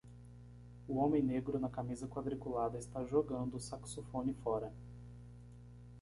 O homem negro na camisa quadriculada está jogando o saxofone fora.